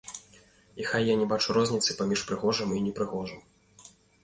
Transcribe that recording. І хай я не бачу розніцы паміж прыгожым і непрыгожым.